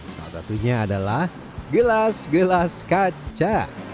salah satunya adalah gelas gelas kaca